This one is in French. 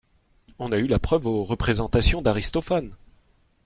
On en eut la preuve aux représentations d'Aristophane.